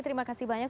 terima kasih banyak